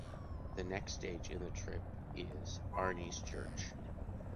The next stage in the trip is Arenys’ church.